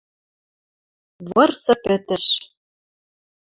Вырсы пӹтӹш.